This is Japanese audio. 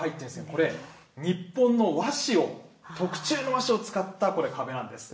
これ、日本の和紙を、特注の和紙を使った壁なんです。